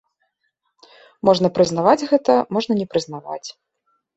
Можна прызнаваць гэта, можна не прызнаваць.